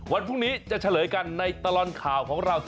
วันพรุ่งนี้จะเฉลยกันในตลอดข่าวของเรา